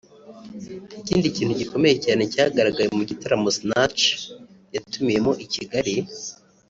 Ikindi kintu gikomeye cyane cyagaragaye mu gitaramo Sinach yatumiwemo i Kigali